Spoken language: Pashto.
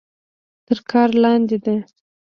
تر کار لاندې ده.